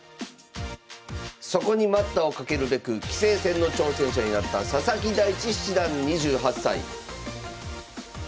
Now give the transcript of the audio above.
そこに待ったをかけるべく棋聖戦の挑戦者になった佐々木大地七段２８歳。